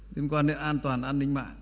liên quan đến an toàn an ninh mạng